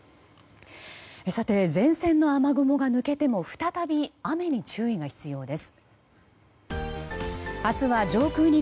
前線の雨雲が抜けても再び雨に注意が必要です。